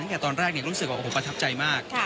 แก่ตอนแรกรู้สึกว่าประทับใจมาก